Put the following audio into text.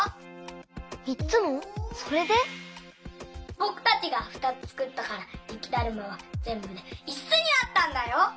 ぼくたちがふたつつくったからゆきだるまはぜんぶでいつつになったんだよ。